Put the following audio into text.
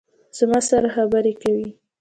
زما سره خبرې کوي